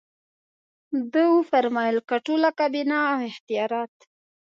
ده وفرمایل که ټوله کابینه او اختیارات.